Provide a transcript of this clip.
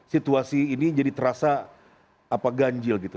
situasi ini jadi terasa ganjil gitu